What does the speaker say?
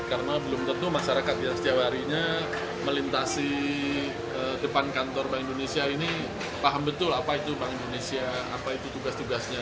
karena belum tentu masyarakat setiap harinya melintasi depan kantor bank indonesia ini paham betul apa itu bank indonesia apa itu tugas tugasnya